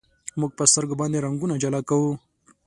موږ په سترګو باندې رنګونه جلا کوو.